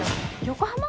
横浜？